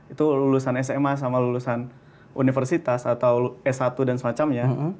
itu lulusan sma sama lulusan universitas atau s satu dan semacamnya